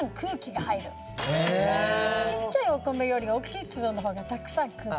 ちっちゃいお米より大きい粒のほうがたくさん空気が入る。